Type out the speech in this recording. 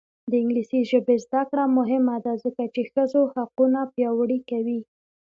د انګلیسي ژبې زده کړه مهمه ده ځکه چې ښځو حقونه پیاوړي کوي.